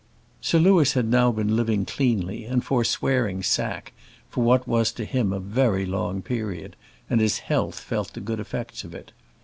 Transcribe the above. Sir Louis had now been living cleanly and forswearing sack for what was to him a very long period, and his health felt the good effects of it.